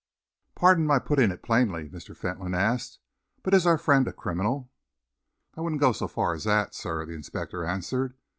"Pardon my putting it plainly," Mr. Fentolin asked, "but is our friend a criminal?" "I wouldn't go so far as that, sir," the inspector answered.